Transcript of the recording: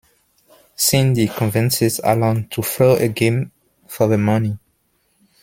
Cindy convinces Alan to throw a game for the money.